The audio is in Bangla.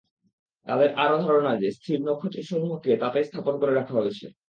তাদের আরো ধারণা যে, স্থির নক্ষত্রসমূহকে তাতেই স্থাপন করে রাখা হয়েছে।